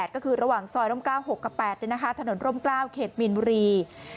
ก็คือระหว่างซอยร่ม๙๖กับ๘ถนนร่มกล้าวเขตมีนบุรี